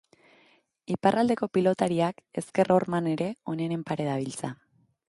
Iparraldeko pilotariak ezker horman ere onenen pare dabiltza.